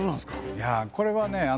いやあこれはね